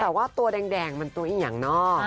แต่ว่าตัวแดงมันตัวเอียงนอก